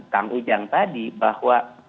kang ujang tadi bahwa